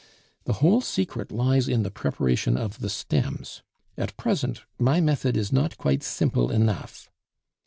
The whole secret lies in the preparation of the stems. At present my method is not quite simple enough.